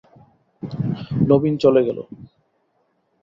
নবীন চলে গেল।